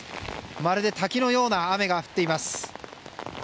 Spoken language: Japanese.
まるで滝のような雨が降っています。